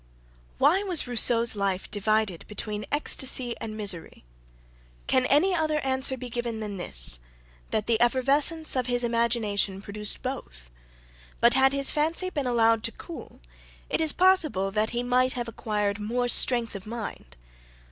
Why was Rousseau's life divided between ecstasy and misery? Can any other answer be given than this, that the effervescence of his imagination produced both; but, had his fancy been allowed to cool, it is possible that he might have acquired more strength of mind.